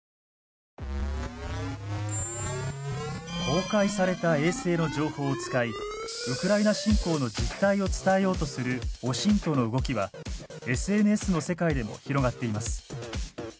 公開された衛星の情報を使いウクライナ侵攻の実態を伝えようとするオシントの動きはＳＮＳの世界でも広がっています。